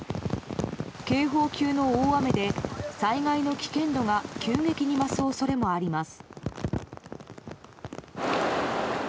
警報級の大雨で、災害の危険度が急激に増す恐れもあります。